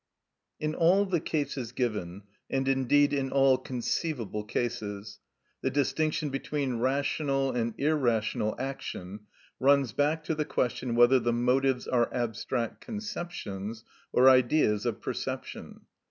In all the cases given, and indeed in all conceivable cases, the distinction between rational and irrational action runs back to the question whether the motives are abstract conceptions or ideas of perception.